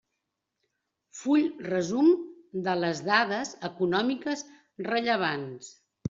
Full resum de les dades econòmiques rellevants.